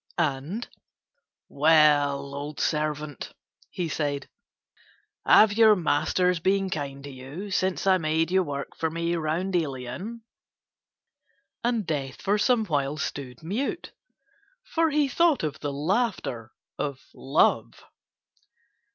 And "Well, old servant," he said, "have your masters been kind to you since I made you work for me round Ilion?" And Death for some while stood mute, for he thought of the laughter of Love.